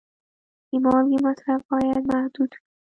د مالګې مصرف باید محدود وي.